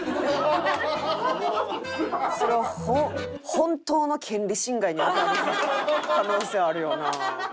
それは本当の権利侵害に当たる可能性あるよな。